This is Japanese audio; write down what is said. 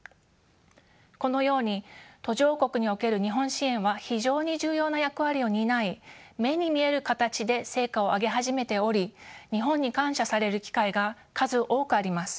このように途上国における日本支援は非常に重要な役割を担い目に見える形で成果を上げ始めており日本に感謝される機会が数多くあります。